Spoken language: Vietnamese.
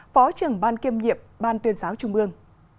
phó trưởng ban kiêm nghiệp ban tuyên giáo trung mương